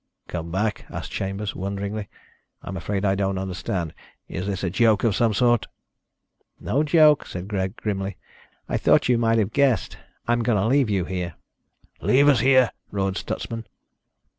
"Come back?" asked Chambers wonderingly. "I'm afraid I don't understand. Is this a joke of some sort?" "No joke," said Greg grimly. "I thought you might have guessed. I'm going to leave you here." "Leave us here?" roared Stutsman.